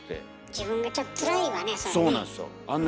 自分がちょっとつらいわねそれね。